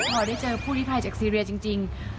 พอได้เจอผู้ลิภัยจากซีเรียจริง